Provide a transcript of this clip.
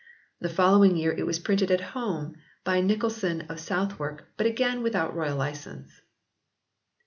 The following year it was printed at home by Nycolson of Southwark but again without royal license.